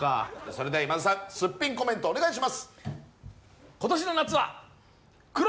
それでは今田さんすっぴんコメントお願いします！